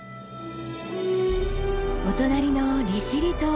お隣の利尻島